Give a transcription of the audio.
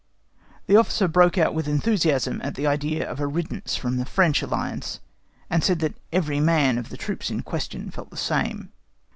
The officer broke out with enthusiasm at the idea of a riddance from the French alliance, and said that every man of the troops in question felt the same.